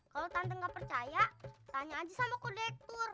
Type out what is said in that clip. kalau tante gak percaya tanya aja sama kode lektur